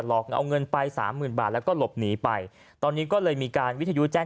หลอกเอาเงินไปสามหมื่นบาทแล้วก็หลบหนีไปตอนนี้ก็เลยมีการวิทยุแจ้ง